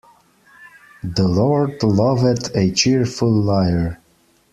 The Lord loveth a cheerful liar.